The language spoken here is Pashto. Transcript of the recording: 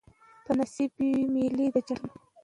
په نصیب یې وي مېلې د جنتونو